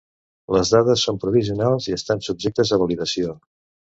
Les dades són provisionals i estan subjectes a validació.